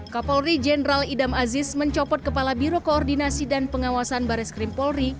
kapolri jenderal idam aziz mencopot kepala biro koordinasi dan pengawasan baris krim polri